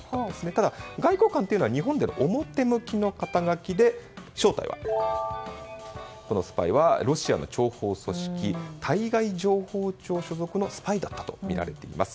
ただ、外交官というのは日本での表向きの肩書で正体はこのスパイはロシアの諜報組織対外情報庁所属のスパイだったとみられています。